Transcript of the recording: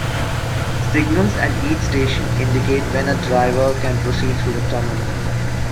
Signals at each station indicate when a driver can proceed through the tunnel.